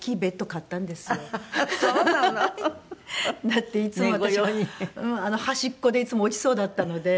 だっていつも私が端っこでいつも落ちそうだったので。